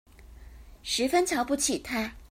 十分瞧不起他